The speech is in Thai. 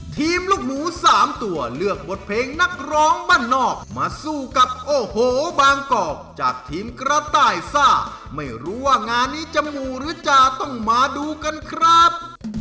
ลูกหมูสามตัวเลือกบทเพลงนักร้องบ้านนอกมาสู้กับโอ้โหบางกอกจากทีมกระต่ายซ่าไม่รู้ว่างานนี้จะหมู่หรือจะต้องมาดูกันครับ